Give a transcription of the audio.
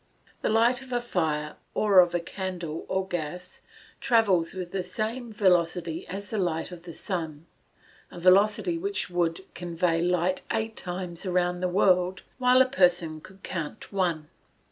_ The light of a fire, or of a candle, or gas, travels with the same velocity as the light of the sun, a velocity which would convey light eight times round the world while a person could count "one."